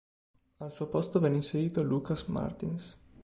Al suo posto venne inserito Lucas Martins.